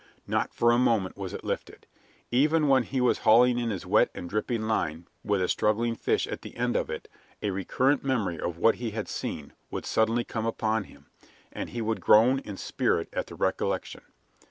Not for a moment was it lifted. Even when he was hauling in his wet and dripping line with a struggling fish at the end of it a recurrent memory of what he had seen would suddenly come upon him, and he would groan in spirit at the recollection.